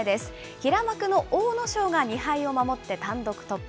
平幕の阿武咲が２敗を守って単独トップ。